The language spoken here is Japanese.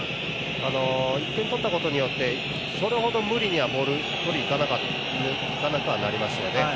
１点取ったことによってそれほど無理にはボールを取りにいかなくなりましたよね。